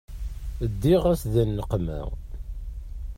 Ddiɣ-as di nneqma.